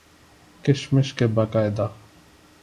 کشمش کے باقاعدہ